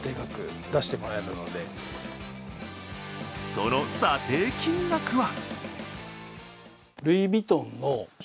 その査定金額は？